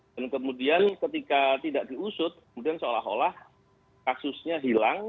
dan kemudian ketika tidak diusut kemudian seolah olah kasusnya hilang